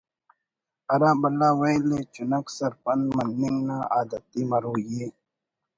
ہر بھلا ویل ءِ چنک سرپند مننگ نا عادتی مروئی ءِ